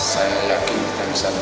saya yakin kita bisa menang